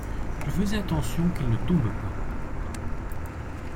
Je faisais attention qu’il ne tombe pas.